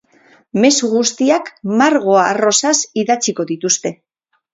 Mezu guztiak margo arrosaz idatziko dituzte.